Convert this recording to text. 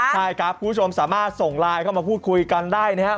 ใช่ครับคุณผู้ชมสามารถส่งไลน์เข้ามาพูดคุยกันได้นะครับ